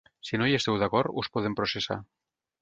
Si no hi esteu d'acord, us poden processar.